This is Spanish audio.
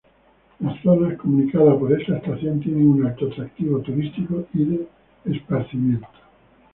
La zona comunicada por esta estación tiene un alto atractivo turístico y de esparcimiento.